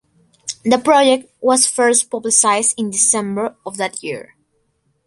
The project was first publicized in December of that year.